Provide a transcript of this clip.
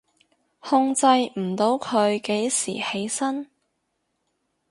控制唔到佢幾時起身？